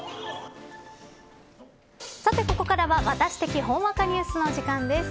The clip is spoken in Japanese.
さて、ここからはワタシ的ほんわかニュースの時間です。